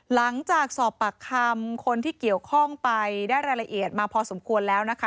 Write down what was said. หลังจากสอบปากคำคนที่เกี่ยวข้องไปได้รายละเอียดมาพอสมควรแล้วนะคะ